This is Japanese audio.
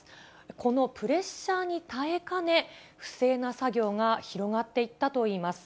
このプレッシャーに耐えかね、不正な作業が広がっていったといいます。